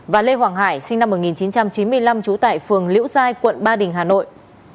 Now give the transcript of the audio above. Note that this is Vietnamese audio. và lê hoàng hải sinh năm một nghìn chín trăm chín mươi năm trú tại phường liễu giai quận ba đình hà nội